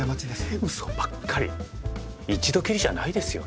ウソばっかり一度きりじゃないですよね？